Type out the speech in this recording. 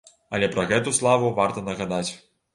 Але пра гэту славу варта нагадаць.